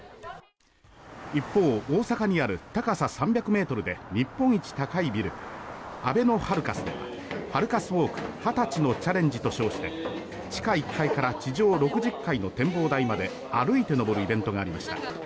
一方、大阪にある高さ３００ｍで日本一高いビルあべのハルカスではハルカスウォークハタチのｃｈａｌｌｅｎｇｅ！！と称して地下１階から地上６０階の展望台まで歩いて上るイベントがありました。